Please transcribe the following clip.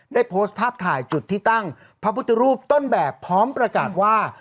ได้โพสต์ภาพถ่ายจุดที่ตั้งพระพุทธรูปต้นแบบพร้อมประกาศว่า